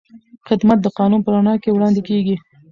خدمت د قانون په رڼا کې وړاندې کېږي.